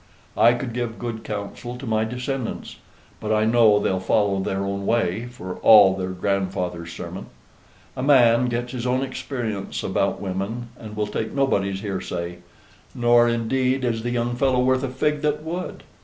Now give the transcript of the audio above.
I could give good counsel to my descendants, but I know they'll follow their own way, for all their grandfather's sermon. A man gets his own experience about women, and will take nobody's hearsay; nor, indeed, is the young fellow worth a fig that would.